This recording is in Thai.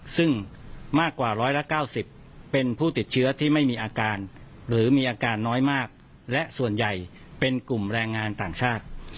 ซึ่งมากกว่า๑๙๐เป็นผู้ติดเชื้อที่ไม่มีอาการหรือมีอาการน้อยมากและส่วนใหญ่เป็นกลุ่มแรงงานต่างชาติ